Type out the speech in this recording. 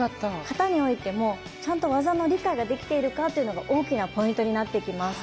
形においてもちゃんと技の理解ができているかというのが大きなポイントになってきます。